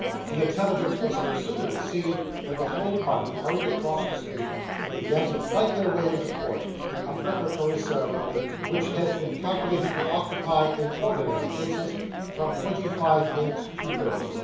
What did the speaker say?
The intelligence was no sooner received than the whole party hurried across the street, and began to fight their way into court a preparatory ceremony, which has been calculated to occupy, in ordinary cases, from twenty five minutes to thirty.